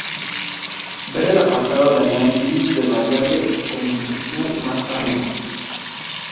Ver el apartado de análisis de variable de inducción más arriba.